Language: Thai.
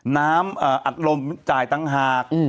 น้ำอัดลมจ่ายต่างหาก